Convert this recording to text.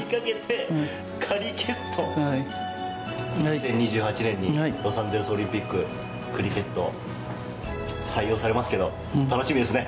２０２８年にロサンゼルスオリンピッククリケット、採用されますけど楽しみですね。